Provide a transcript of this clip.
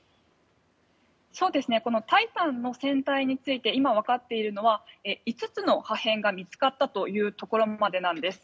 この「タイタン」の船体について今わかっているのは５つの破片が見つかったというところまでなんです。